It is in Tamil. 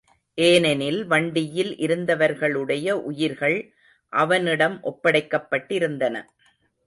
ஏனெனில் வண்டியில் இருந்தவர்களுடைய உயிர்கள் அவனிடம் ஒப்படைக்கப்பட்டிருந்தன.